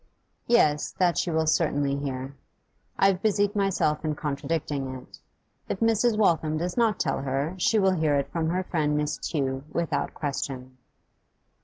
'Yes, that she will certainly hear. I have busied myself in contradicting it. If Mrs. Waltham does not tell her, she will hear it from her friend Miss Tew, without question.